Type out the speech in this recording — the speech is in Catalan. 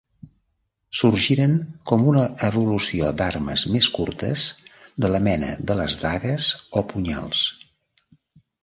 Sorgiren com una evolució d'armes més curtes de la mena de les dagues o punyals.